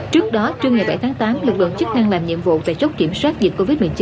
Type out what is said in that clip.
trước đó trưa ngày bảy tháng tám lực lượng chức năng làm nhiệm vụ tại chốt kiểm soát dịch covid một mươi chín